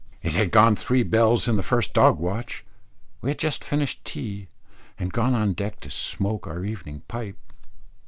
It had gone three bells in the first dog watch; we had just finished tea, and gone on deck to smoke our evening pipe.